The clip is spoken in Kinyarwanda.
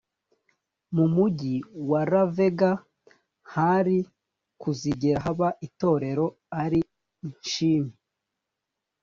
mu mugi wa la vega hari kuzigera haba itorero ariko nshimi